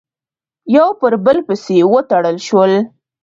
یو پر بل پسې وتړل شول،